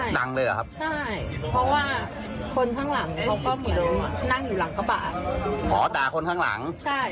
ใช่กระบะทานแดง